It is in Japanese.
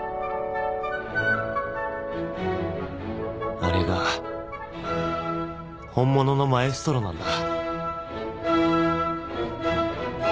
あれが本物のマエストロなんだ